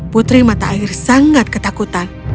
putri mata air sangat ketakutan